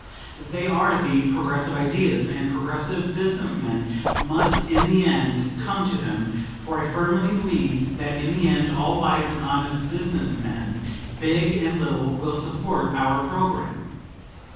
They are the progressive ideas, and progressive business men must in the end come to them, for I firmly believe that in the end all wise and honest business men, big and little, will support our programme.